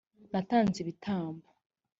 natanze ibitambo